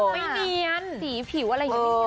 ไม่เนียนสีผิวอะไรอยู่